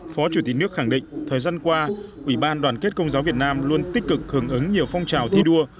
phó chủ tịch nước khẳng định thời gian qua ủy ban đoàn kết công giáo việt nam luôn tích cực hướng ứng nhiều phong trào thi đua